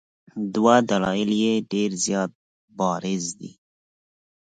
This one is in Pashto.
دوه دلایل یې ډېر زیات بارز دي.